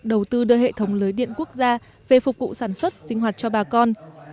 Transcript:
đầu tư đưa hệ thống lưới điện quốc gia về phục vụ sản xuất sinh hoạt cho bà con